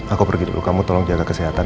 aku pergi dulu kamu tolong jaga kesehatan